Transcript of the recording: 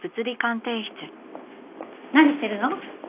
何してるの？